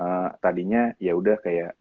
dari mulai yang tadinya yaudah kayak